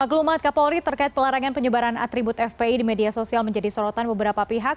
maklumat kapolri terkait pelarangan penyebaran atribut fpi di media sosial menjadi sorotan beberapa pihak